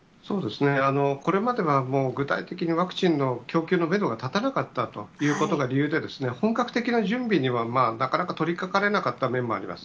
これまではもう、具体的にワクチンの供給のメドが立たなかったということが理由で、本格的な準備にはなかなか取りかかれなかった面もあります。